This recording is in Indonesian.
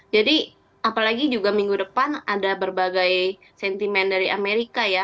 jadi apalagi juga minggu depan ada berbagai sentimen dari amerika ya